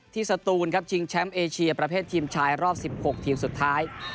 สตูนครับชิงแชมป์เอเชียประเภททีมชายรอบ๑๖ทีมสุดท้าย